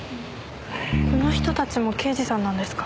この人たちも刑事さんなんですか？